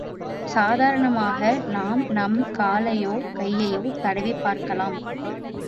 சாதாரணமாக நாம் நம் காலையோ கையையோ தடவிப் பார்க்கலாம்.